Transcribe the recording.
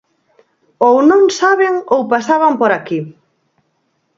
Ou non saben, ou pasaban por aquí.